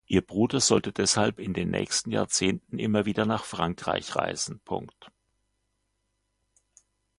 Ihr Bruder sollte deshalb in den nächsten Jahrzehnten immer wieder nach Frankreich reisen.